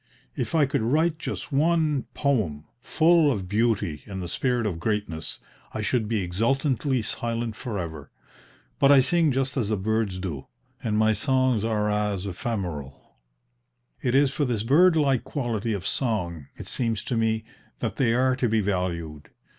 If I could write just one poem full of beauty and the spirit of greatness, I should be exultantly silent for ever; but I sing just as the birds do, and my songs are as ephemeral." It is for this bird like quality of song, it seems to me, that they are to be valued.